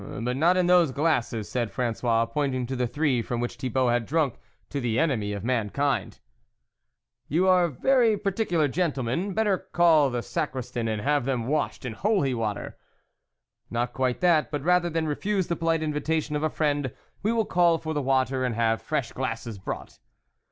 "But not in those glasses," said Fran9ois, pointing to the three from which Thibault had drunk to the enemy of mankind. 44 You are very particular, gentlemen ; better call the sacristan and have them washed in holy water." 44 Not quite that, but rather than refuse the polite invitation of a friend, we will call for the waiter, and have fresh glasses brought."